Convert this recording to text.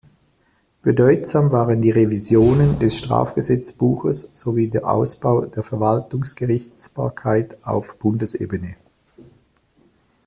Bedeutsam waren die Revisionen des Strafgesetzbuches sowie der Ausbau der Verwaltungsgerichtsbarkeit auf Bundesebene.